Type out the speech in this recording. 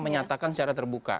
menyatakan secara terbuka